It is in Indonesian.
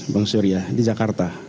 bang surya di jakarta